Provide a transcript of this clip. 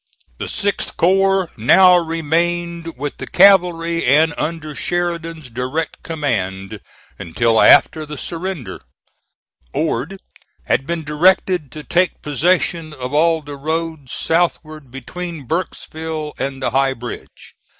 The 6th corps now remained with the cavalry and under Sheridan's direct command until after the surrender. Ord had been directed to take possession of all the roads southward between Burkesville and the High Bridge.